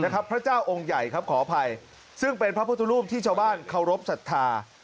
พระเจ้าองค์ใหญ่ครับขออภัยซึ่งเป็นพระพุทธรูปที่ชาวบ้านเคารพสัทธา